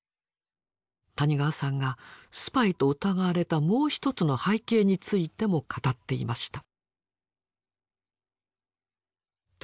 谷川さんがスパイと疑われたもう一つの背景についても語っていました。